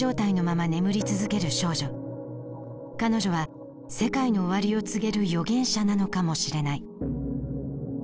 彼女は世界の終わりを告げる予言者なのかもしれない。